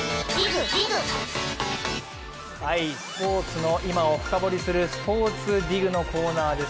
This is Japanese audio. スポーツの今を深掘りする「ｓｐｏｒｔｓＤＩＧ」のコーナーです。